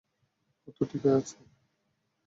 ওতো ঠিকই গাইছে।